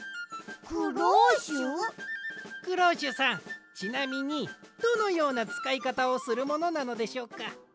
クローシュさんちなみにどのようなつかいかたをするものなのでしょうか？